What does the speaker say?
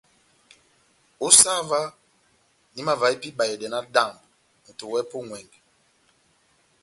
Ó sah óvah, nahimavaha pɛhɛ ibahedɛ náhádambɔ, moto wɛ́hɛ́pi ó ŋʼwɛngɛ !